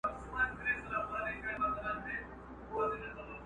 پرېږده په نغمو کي د بېړۍ د ډوبېدو کیسه!